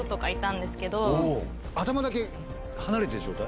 頭だけ離れてる状態？